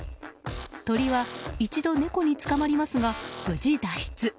鳥は一度猫に捕まりますが無事脱出。